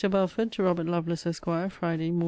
BELFORD, TO ROBERT LOVELACE, ESQ. FRIDAY MORN.